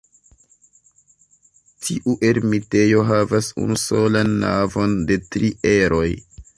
Tiu ermitejo havas unusolan navon de tri eroj.